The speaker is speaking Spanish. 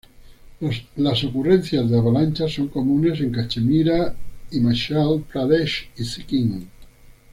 Las ocurrencias de avalanchas son comunes en Cachemira, Himachal Pradesh y Sikkim.